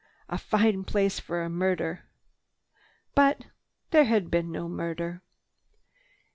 "Fine place for a murder." But there had been no murder.